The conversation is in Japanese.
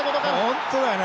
本当だよね。